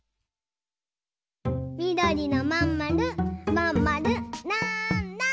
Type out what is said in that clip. みどりのまんまるまんまるなんだ？